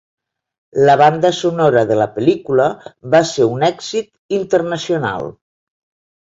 La banda sonora de la pel·lícula va ser un èxit internacional.